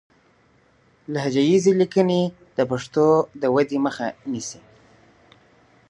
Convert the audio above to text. لهجه ييزې ليکنې د پښتو د ودې مخه نيسي